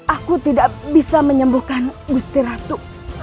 aku tidak bisa menyembuhkan gusti ratu